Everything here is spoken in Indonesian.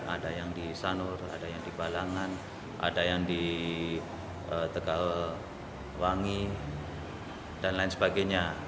ada yang di sanur ada yang di balangan ada yang di tegalwangi dan lain sebagainya